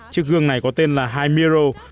chiếc gương này có tên là high mirror